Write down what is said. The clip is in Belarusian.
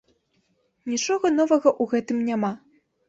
Нічога новага ў гэтым няма.